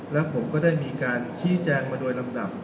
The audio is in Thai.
แล้วผมก็ได้มีการชี้แจงมาโดยลำดับ